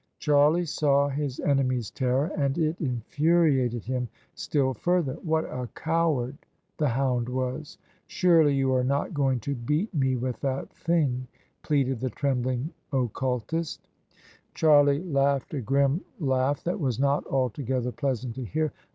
Charlie saw his enemy's terror and it infuriated him still further. What a coward the hound was !" Surely you are not going to beat me with that thing," pleaded the trembling occultist Charlie laughed a grim laugh that was not altogether pleasant to hear.